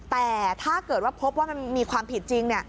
แต่ถ้าเกิดว่าพบว่ามันมีความผิดจริง